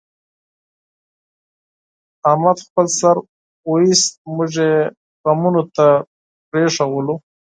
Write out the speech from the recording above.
احمد خپل سر وایست، موږ یې غمونو ته پرېښودلو.